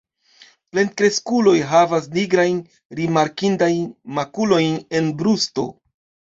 Plenkreskuloj havas nigrajn rimarkindajn makulojn en brusto.